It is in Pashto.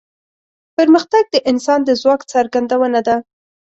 پرمختګ د انسان د ځواک څرګندونه ده.